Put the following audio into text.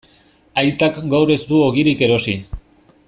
Aitak gaur ez du ogirik erosi.